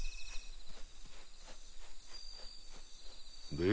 で？